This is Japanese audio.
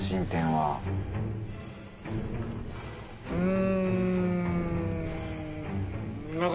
うん。